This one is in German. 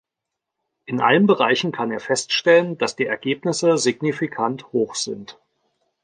In allen Bereichen kann er feststellen, dass die Ergebnisse signifikant hoch sind.